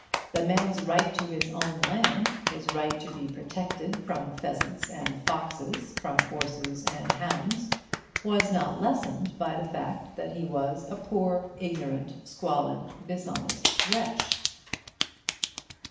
The man's right to his own land, his right to be protected from pheasants and foxes, from horses and hounds, was not lessened by the fact that he was a poor ignorant squalid dishonest wretch.